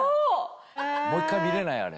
もう一回見れない？あれ。